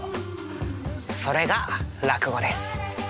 それが落語です。